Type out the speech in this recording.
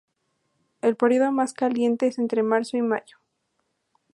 El período más caliente es entre marzo y mayo.